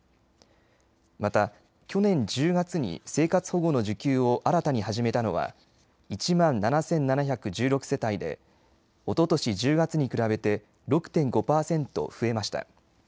また、去年１０月に生活保護の受給を新たに始めたのは１万７７１６世帯でおととし１０月に比べて６．５％増えました。